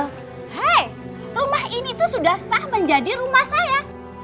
hei rumah ini tuh sudah sah menjadi rumah saya